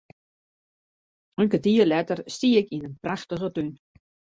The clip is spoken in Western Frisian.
In kertier letter stie ik yn in prachtige tún.